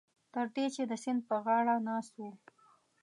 تر دې چې د سیند په غاړه ناست وو.